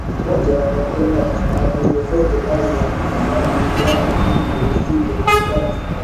wote wanakwenda kwa sababu hizo zote bali lazima sababu mojawapo ihusikeKutokana na sababu